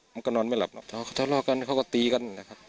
มันก็นอนไม่หลับทะเลาะกันเขาก็ตีกัน